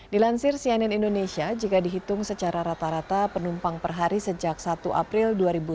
dilansir cnn indonesia jika dihitung secara rata rata penumpang per hari sejak satu april dua ribu sembilan belas